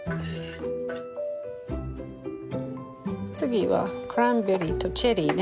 次はクランベリーとチェリーね。